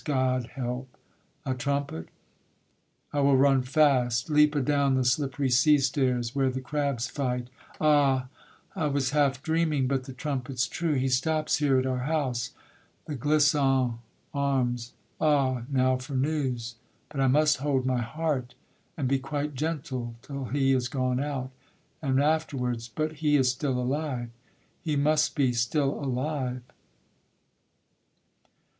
God help! A trumpet? I will run fast, leap adown The slippery sea stairs, where the crabs fight. Ah! I was half dreaming, but the trumpet's true; He stops here at our house. The Clisson arms? Ah, now for news. But I must hold my heart, And be quite gentle till he is gone out; And afterwards: but he is still alive, He must be still alive.